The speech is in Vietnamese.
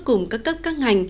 cùng các cấp các ngành